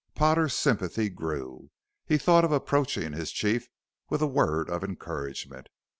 Potter's sympathy grew. He thought of approaching his chief with a word of encouragement.